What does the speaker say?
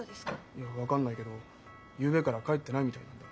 いや分かんないけどゆうべから帰ってないみたいなんだ。